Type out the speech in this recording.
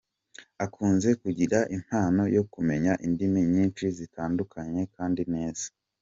Akunze kugira impano yo kumenya indimi nyinshi zitandukanye kandi neza.